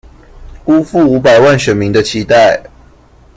辜負五百萬選民的期待